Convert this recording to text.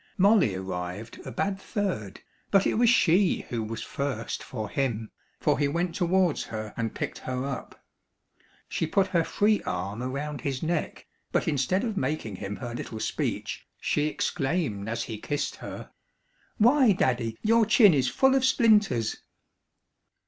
Molly arrived a bad third, but it was she who was first for him, for he went towards her and picked her up. She put her free arm around his neck, but instead of making him her little speech she exclaimed as he kissed her "Why, Daddy, your chin is full of splinters!"